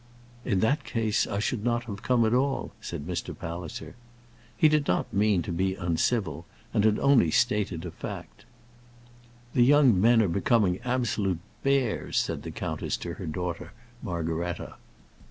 "In that case I should not have come at all," said Mr. Palliser. He did not mean to be uncivil, and had only stated a fact. "The young men are becoming absolute bears," said the countess to her daughter Margaretta.